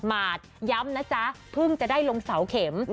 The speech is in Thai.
หมาดย้ำนะจ๊ะเพิ่งจะได้ลงเสาเข็ม